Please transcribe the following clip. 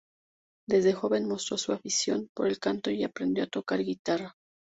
Desde joven mostró su afición por el canto y aprendió a tocar guitarra.